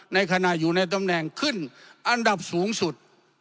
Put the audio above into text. ในขณะอยู่ในตำแหน่งขึ้นอันดับสูงสุด